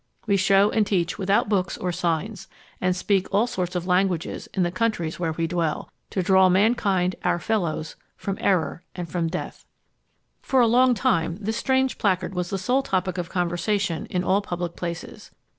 We shew and teach without books or signs, and speak all sorts of languages in the countries where we dwell, to draw mankind, our fellows, from error and from death_." For a long time this strange placard was the sole topic of conversation in all public places.